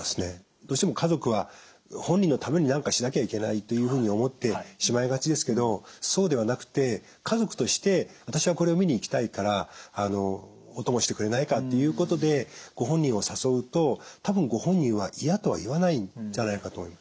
どうしても家族は本人のために何かしなきゃいけないというふうに思ってしまいがちですけどそうではなくて家族として私はこれを見に行きたいからお供してくれないかっていうことでご本人を誘うと多分ご本人は嫌とは言わないんじゃないかと思います。